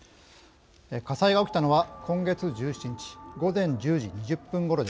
火災が起きたのは今月１７日午前１０時２０分ごろでした。